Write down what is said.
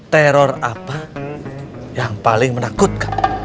teror apa yang paling menakutkan